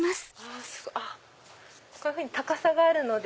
こういうふうに高さがあるので。